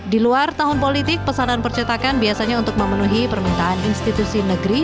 di luar tahun politik pesanan percetakan biasanya untuk memenuhi permintaan institusi negeri